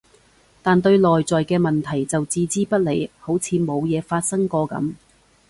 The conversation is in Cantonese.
但對內在嘅問題就置之不理，好似冇嘢發生過噉